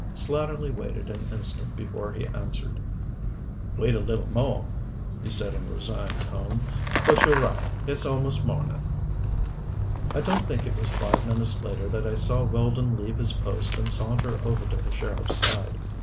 Slatterly waited an instant before he answered. "Wait a little more," he said in a resigned tone. "But you're right it's almost morning." I don't think it was five minutes later that I saw Weldon leave his post and saunter over to the sheriff's side.